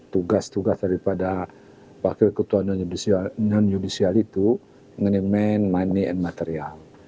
tugas tugas daripada wakil ketua bidang non yudisial itu mengemban makam dan material